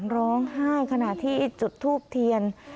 ร้องไห้ขณะที่จุดทูบเทียน